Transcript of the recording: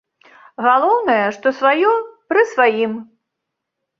Галоўнае, што сваё пры сваім.